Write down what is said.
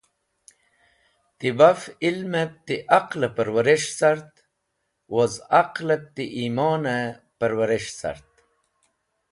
Ti baf ilmẽb ti aqlẽ pẽrwẽrish cart woz aqlẽb ti yimonẽ pẽrwerish cat.